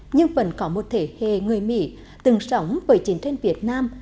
nhưng vẫn có một thể hệ người mỹ từng sống với chiến tranh việt nam